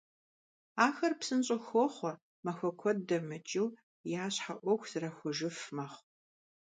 Ахэр псынщIэу хохъуэ, махуэ куэд дэмыкIыу я щхьэ Iуэху зэрахуэжыф мэхъу.